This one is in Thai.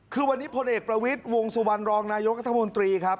คือวันนี้พลเอกประวิทย์วงสุวรรณรองนายกัธมนตรีครับ